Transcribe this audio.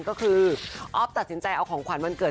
ก็คืออ๊อฟตัดสินใจเอาของขวัญวันเกิด